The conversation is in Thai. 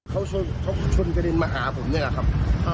เขาชนกระเด็นมาหาผมนี่แหละครับ